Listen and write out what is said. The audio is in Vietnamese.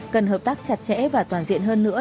cần hợp tác chặt chẽ và toàn diện hơn nữa